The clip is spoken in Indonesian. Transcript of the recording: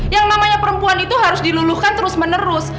yang namanya perempuan itu harus diluluhkan terus menerus